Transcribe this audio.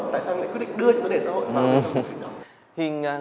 tại sao anh lại quyết định đưa vấn đề xã hội vào trong bộ kịch đó